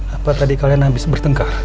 apa tadi kalian habis bertengkar